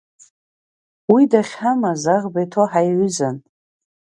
Уи дахьҳамаз аӷба иҭоу ҳаиҩызан.